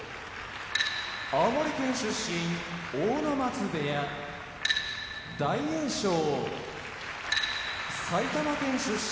青森県出身阿武松部屋大栄翔埼玉県出身